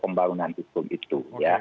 pembangunan hukum itu